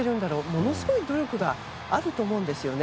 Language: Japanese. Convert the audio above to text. ものすごい努力があると思うんですよね。